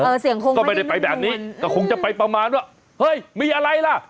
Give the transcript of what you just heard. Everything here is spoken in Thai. เสียงคงก็ไม่ได้ไปแบบนี้ก็คงจะไปประมาณว่าเฮ้ยมีอะไรล่ะ